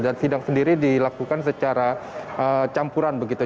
dan sidang sendiri dilakukan secara campuran begitu